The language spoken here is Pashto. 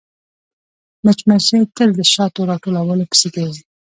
مچمچۍ تل د شاتو راټولولو پسې ګرځي